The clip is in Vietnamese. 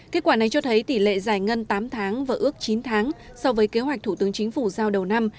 kết quả này cho thấy tỷ lệ giải ngân tám tháng và ước chín tháng so với kế hoạch thủ tướng chính phủ giao đầu năm